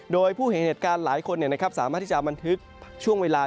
โดยผู้เห็นเหตุการณ์หลายคนสามารถที่จะบันทึกช่วงเวลา